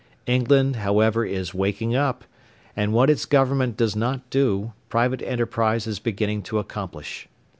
England, however, is waking up, and what its Government does not do, private enterprise is beginning to accomplish.